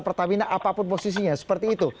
pertamina apapun posisinya seperti itu